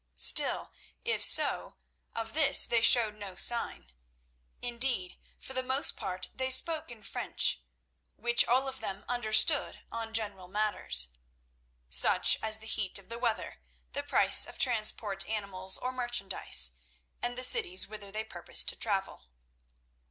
Still if so, of this they showed no sign. Indeed, for the most part they spoke in French, which all of them understood, on general matters, such as the heat of the weather, the price of transport animals or merchandise, and the cities whither they purposed to travel.